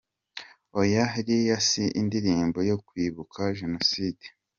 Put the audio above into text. Oya ! Iriya si indirimbo yo kwibuka Jenoside.